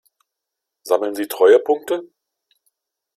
Sammeln Sie Treuepunkte?